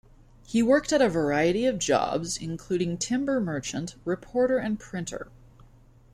He worked at a variety of jobs, including timber merchant, reporter and printer.